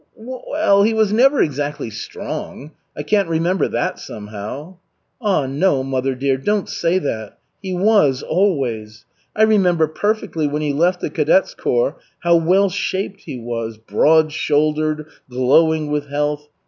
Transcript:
"Well, he was never exactly strong. I can't remember that, somehow." "Ah no, mother dear, don't say that. He was, always. I remember perfectly when he left the cadets corps how well shaped he was, broad shouldered, glowing with health.